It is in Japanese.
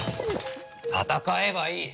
戦えばいい！